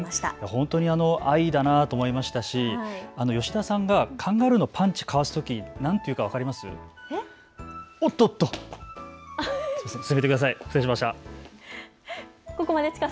本当に愛だなと思いましたし吉田さんがカンガルーのパンチをかわすときに何ていうか分かりますか？